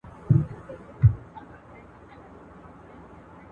خاوند او ميرمن بايد يو د بل زينت سي.